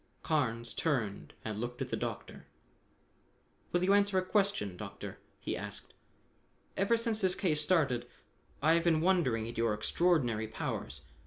Carnes turned and looked at the Doctor. "Will you answer a question, Doctor?" he asked. "Ever since this case started, I have been wondering at your extraordinary powers.